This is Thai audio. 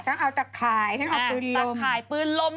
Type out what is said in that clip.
ทั้งเอาตักข่ายทั้งเอาปืนลม